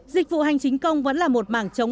dịch vụ hành chính công vẫn là một mảng chống